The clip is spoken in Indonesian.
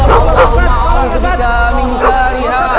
allahumma akhundiqa min syariha